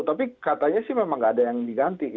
tapi katanya sih memang nggak ada yang diganti